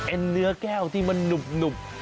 เนื้อแก้วที่มันหนุบ